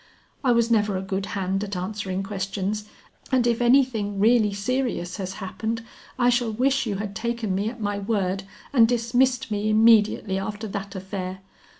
"I was never a good hand at answering questions, and if any thing really serious has happened, I shall wish you had taken me at my word and dismissed me immediately after that affair.